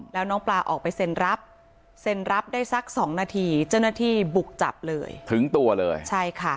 แล้วน้องปลาออกไปเซ็นรับเซ็นรับได้สักสองนาทีเจ้าหน้าที่บุกจับเลยถึงตัวเลยใช่ค่ะ